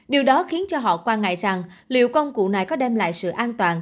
điều đó khiến cho họ quan ngại rằng liệu công cụ này có đem lại sự an toàn